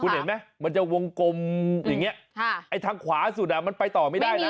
เห็นไหมมันจะวงกลมอย่างนี้ไอ้ทางขวาสุดมันไปต่อไม่ได้นะ